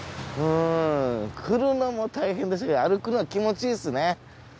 うん来るのも大変だし歩くのは気持ちいいですね。